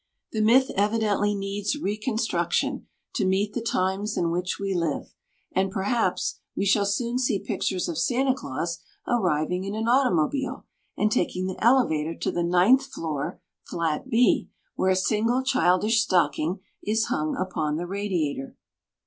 The myth evidently needs reconstruction to meet the times in which we live, and perhaps we shall soon see pictures of Santa Claus arriving in an automobile, and taking the elevator to the ninth floor, flat B, where a single childish stocking is hung upon the radiator.